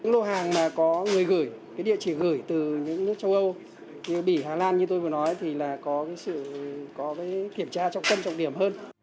lô hàng mà có người gửi cái địa chỉ gửi từ những nước châu âu bỉ hà lan như tôi vừa nói thì là có cái kiểm tra trong cân trọng điểm hơn